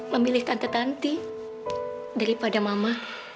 memilih tante tante daripada mama